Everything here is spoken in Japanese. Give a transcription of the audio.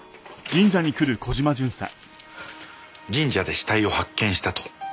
神社で死体を発見したと。